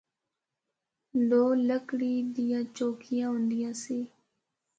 دو لکڑی دیاں چوکیاں ہوندیاں سی۔